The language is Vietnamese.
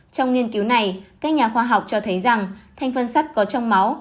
trong nghiên cứu này các nhà khoa học cho thấy rằng thành phân sắt có trong máu